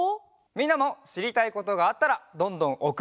みんなもしりたいことがあったらどんどんおくってね！